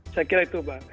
saya kira itu pak